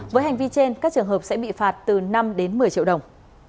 với hành vi trên các trường hợp sẽ bị phạt từ năm đến một mươi triệu đồng